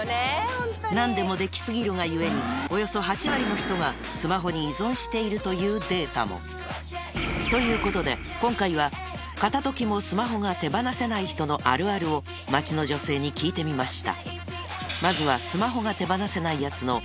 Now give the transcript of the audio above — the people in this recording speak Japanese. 何でもでき過ぎるが故におよそ８割の人がスマホに依存しているというデータもということで今回は片時もスマホが手放せない人のあるあるを街の女性に聞いてみました